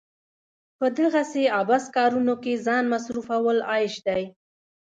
په دغسې عبث کارونو کې ځان مصرفول عيش دی.